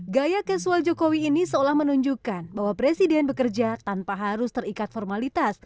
gaya casual jokowi ini seolah menunjukkan bahwa presiden bekerja tanpa harus terikat formalitas